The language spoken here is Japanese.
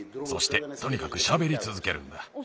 そしてとにかくしゃべりつづけるんだ。